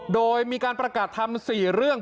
โดยมีการปรกัดทำสี่เรื่อง